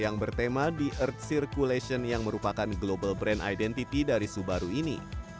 yang bertema the earth circulation yang merupakan global brand identity dari subaru ini